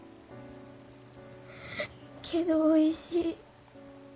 けどおいしい。